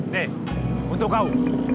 nih untuk kau